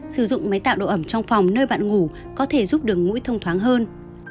sử dụng máy tạo độ ẩm trong phòng nơi bạn ngủ có thể giúp đường mũi thông thoáng hơn